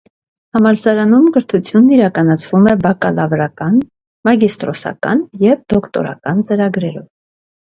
Համալսարանում կրթությունն իրականցվում է բակալավրական, մագիստրոսական և դոկտորական ծրագրերով։